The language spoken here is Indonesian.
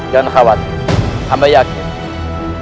dan khawatir kami yakin